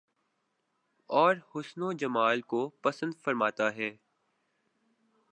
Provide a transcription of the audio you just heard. اور حسن و جمال کو پسند فرماتا ہے